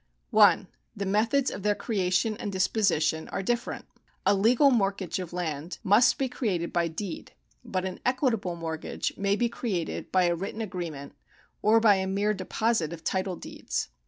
L The methods of their creation and disposition are different. A legal mortgage of land must be created by deed, but an equitable mortgage may be created by a written agreement or by a mere deposit of title deeds.